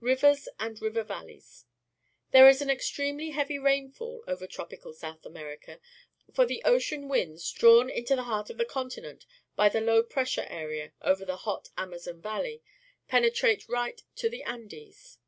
Rivers and River Valleys. — There is an extremely heavy rainfall over tropical South America, for the ocean winds, drawn mto the heart of the continent by the low pressure area over the hot Amazon valley, penetrate right to the Andes.